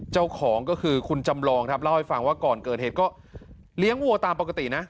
เจ้าของก็คือคุณจำลองครับเล่าให้ฟังว่าก่อนเกิดเหตุก็เลี้ยงวัวตามปกตินะ